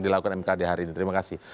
dilakukan mkd hari ini terima kasih